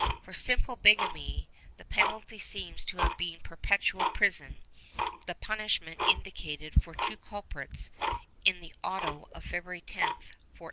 For simple bigamy the penalty seems to have been perpetual prison, the punishment indicated for two culprits in the auto of February 10, 1488.